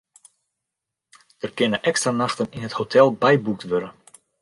Der kinne ekstra nachten yn it hotel byboekt wurde.